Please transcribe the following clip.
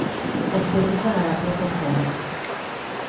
Les pedres venerables del fòrum.